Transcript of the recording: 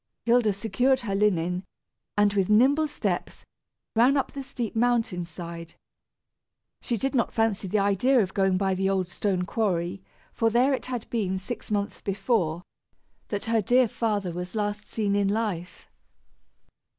Hilda secured her linen, and with nimble steps, ran up the steep mountain side. She did not fancy the idea of going by the old stone quarry, for there it had been, six months before, that her dear father was last seen in life.